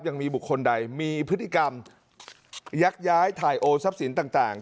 ยังมีบุคคลใดมีพฤติกรรมยักย้ายถ่ายโอทรัพย์สินต่าง